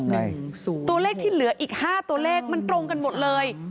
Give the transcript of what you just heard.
ตัวเลขที่เหลืออีก๕ตัวเลขมันตรงกันหมดเลย